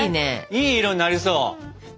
いい色になりそう。